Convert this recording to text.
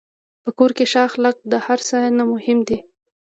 په کور کې ښه اخلاق د هر څه نه مهم دي.